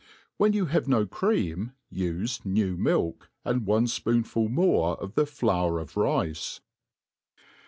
When you have no cream, ufe new milk, and one ipopnful more of the flour of rice.